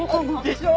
でしょ？